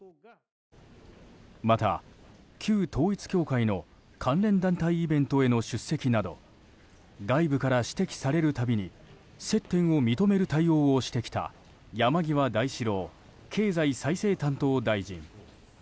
また、旧統一教会の関連団体イベントへの出席など外部から指摘されるたびに接点を認める対応をしてきた山際大志郎経済再生担当大臣。